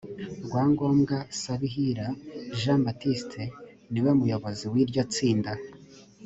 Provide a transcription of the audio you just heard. rwangombwa sabihira j baptiste niwe muyobozi w iryo tsinda